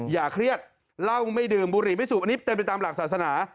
อย่าเครียดเหล้าไม่ดื่มบุหรี่ไม่สุกอันนี้เต็มไปตามหลักศาสนา